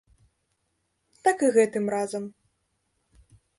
Так і гэтым разам.